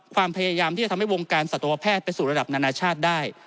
ความพยายามที่จะทำให้วงการสัตวแพทย์ไปสู่ระดับนานาชาติได้